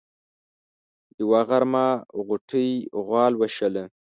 يوه غرمه غوټۍ غوا لوشله.